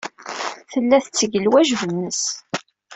Tella tetteg lwajeb-nnes.